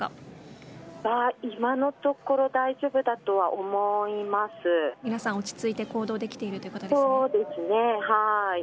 今のところは皆さん落ち着いて行動できているということですね。